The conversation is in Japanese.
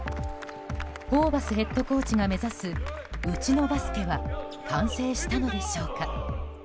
ホーバスヘッドコーチが目指すうちのバスケは完成したのでしょうか。